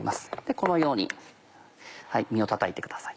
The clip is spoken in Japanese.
このように身をたたいてください。